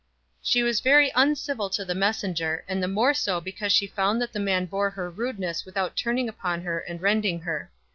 She was very uncivil to the messenger, and the more so because she found that the man bore her rudeness without turning upon her and rending her.